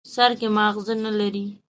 سر کې ماغزه نه لري.